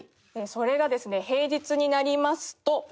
それがですね平日になりますと。